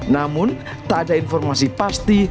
namun tak ada informasi pasti